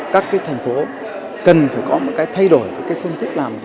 các cái thành phố cần phải có một cái thay đổi một cái phương tích làm